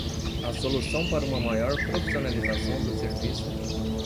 A solução para uma maior profissionalização do serviço